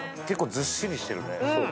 結構ずっしりしてるね。